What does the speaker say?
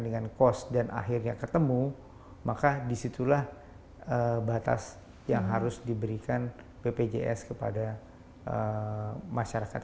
dengan cost dan akhirnya ketemu maka disitulah batas yang harus diberikan bpjs kepada masyarakat